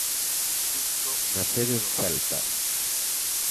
Susto na sede do Celta.